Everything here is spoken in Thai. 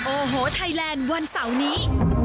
โอ้โหไทยแลนด์วันเสาร์นี้